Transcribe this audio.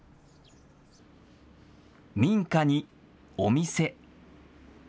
民家にお店。